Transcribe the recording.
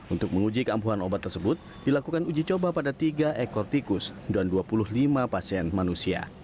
untuk menguji keampuhan obat tersebut dilakukan uji coba pada tiga ekor tikus dan dua puluh lima pasien manusia